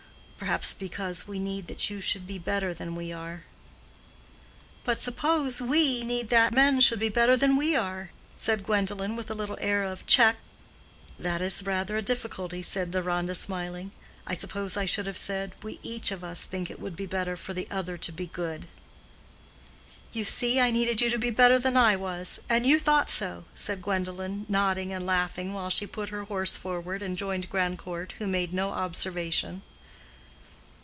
"Perhaps because we need that you should be better than we are." "But suppose we need that men should be better than we are," said Gwendolen with a little air of "check!" "That is rather a difficulty," said Deronda, smiling. "I suppose I should have said, we each of us think it would be better for the other to be good." "You see, I needed you to be better than I was—and you thought so," said Gwendolen, nodding and laughing, while she put her horse forward and joined Grandcourt, who made no observation.